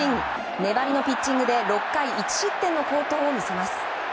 粘りのピッチングで６回１失点の好投を見せます。